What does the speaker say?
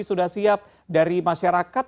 sudah siap dari masyarakat